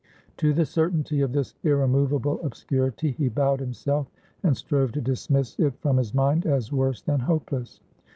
To the certainty of this irremovable obscurity he bowed himself, and strove to dismiss it from his mind, as worse than hopeless.